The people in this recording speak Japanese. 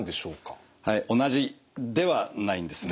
同じではないんですね。